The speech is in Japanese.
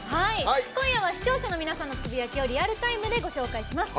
今夜は視聴者の皆さんのつぶやきをリアルタイムでご紹介します。